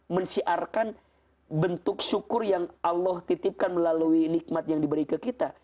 mensiarkan bentuk syukur yang allah titipkan melalui nikmat yang diberi ke kita